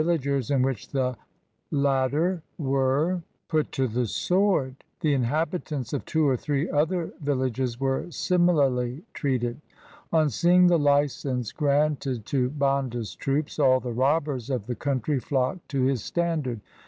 246 LIFE OF GURU GOBIND SINGH 247 put to the sword. The inhabitants of two or three other villages were similarly treated. On seeing the licence granted to Banda's troops all the robbers of the country flocked to his standard.